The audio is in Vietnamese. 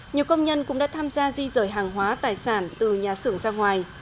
nhiều công nhân cũng đã tham gia di rời hàng hóa tài sản từ nhà xưởng ra ngoài